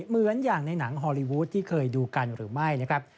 เหมือนอย่างในหนังฮอลลีวูดที่เคยดูกันหรือไม่นะครับ